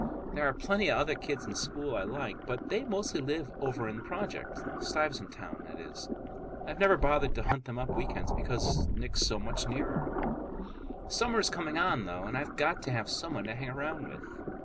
There are plenty of other kids in school I like, but they mostly live over in the project—Stuyvesant Town, that is. I've never bothered to hunt them up weekends because Nick's so much nearer. Summer is coming on, though, and I've got to have someone to hang around with.